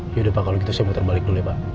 yaudah pak kalau gitu saya muter balik dulu ya pak